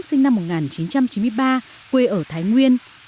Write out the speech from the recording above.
sinh năm một nghìn chín trăm chín mươi ba quê ở thái nguyên